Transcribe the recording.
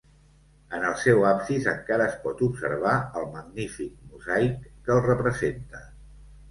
En el seu absis encara es pot observar el magnífic mosaic que el representa.